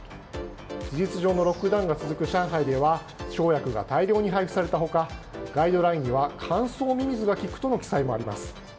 事実上のロックダウンが続く上海では生薬が大量に配布された他ガイドラインでは乾燥ミミズが効くとの記載もあります。